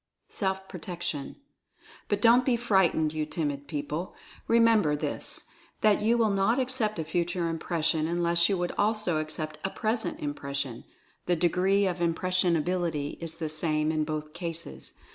SELF PROTECTION. But don't be frightened, you timid people. Remem Future Impression 173 ber this, that you will not accept a Future Impression unless you would also accept a Present Impression — the degree of "impressionability" is the same in both cases.